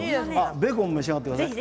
ベーコンも召し上がってください。